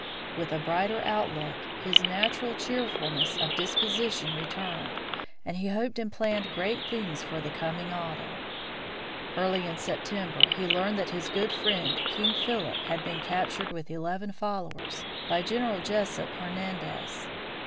With a brighter outlook his natural cheerfulness of disposition returned, and he hoped and planned great things for the coming autumn. Early in September he learned that his good friend "King Philip" had been captured with eleven followers by General Joseph Hernandez.